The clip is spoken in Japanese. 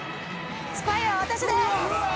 スパイは私です！